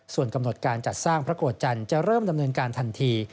ส่วนกำหนดการจัดสร้างพระโกรธจันทร์จะเริ่มดำเนินการทันที